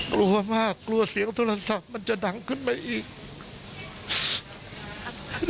คุณหมอก็โทรมาแทบทุกชั่วโรงพยาบาลที่โทรมา